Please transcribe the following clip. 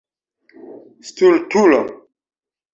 Stultulo.